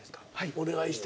お願いして。